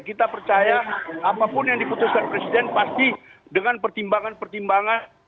kita percaya apapun yang diputuskan presiden pasti dengan pertimbangan pertimbangan